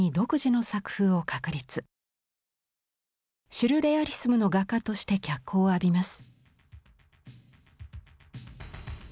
シュルレアリスムの画家として脚光を浴びます。